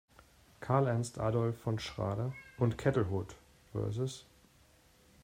Karl Ernst Adolf von Schrader und "Ketelhodt" vs.